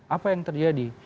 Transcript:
apa yang terjadi